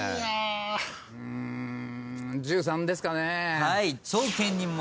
うん１３ですかね。